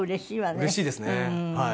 うれしいですねはい。